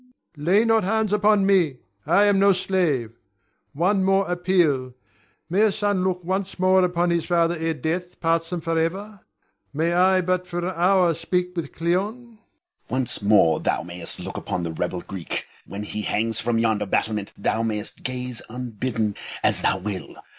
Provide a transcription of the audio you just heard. [Guards approach with chains.] Ion. Lay not hands upon me, I am no slave! One more appeal: May a son look once more upon his father ere death parts them forever? May I but for an hour speak with Cleon? Moh'd. Once more thou mayst look upon the rebel Greek. When he hangs from yonder battlement thou mayst gaze unbidden as thou will.